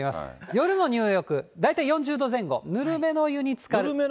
夜の入浴、大体４０度前後、ぬるめのお湯につかる。